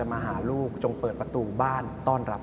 แขกเบอร์ใหญ่ของผมในวันนี้